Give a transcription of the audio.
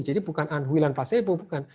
jadi bukan anhui dan placebo bukan